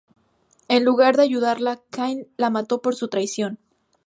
En lugar de ayudarla, Kain la mató por su traición.